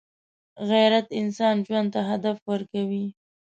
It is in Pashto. غیرت انسان ژوند ته هدف ورکوي